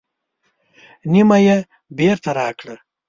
نیمه یې بېرته راکړه.